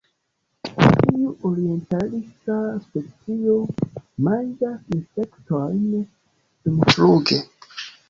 Tiu orientalisa specio manĝas insektojn dumfluge.